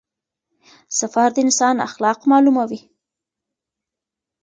سفر د انسان اخلاق معلوموي.